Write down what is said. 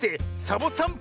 サボさん